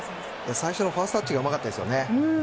最初のファーストタッチがうまかったですよね。